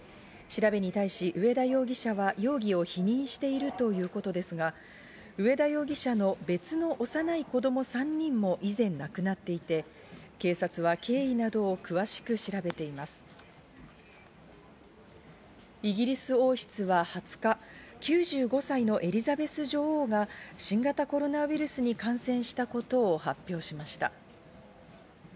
調べに対し、上田容疑者は容疑を否認しているということですが、上田容疑者の別の幼い子供３人も以前、亡くなっていて警察は経緯イギリス王室は２０日、９５歳のエリザベス女王が新型コロナウイルスに感染したことを発表しました。